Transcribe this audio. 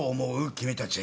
君たち。